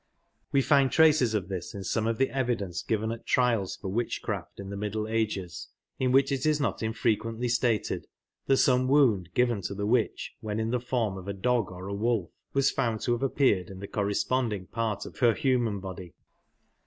We find tracer of this in some of the evidence given at trials for witchcraft in the middle ages, in which it is not infrequently sj^ed that some wound given to the witph when in the form of a dog or a yrolf was foupd to have appeared in thp corresponding part of her hum^n body.